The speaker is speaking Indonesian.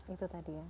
itu tadi ya